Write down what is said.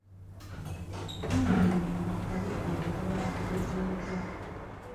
Kumpi buli mulimu tali ayagala agugezeeko.